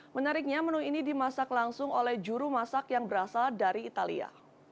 menariknya menu ini dimasak langsung oleh juru masak yang berasal dari italia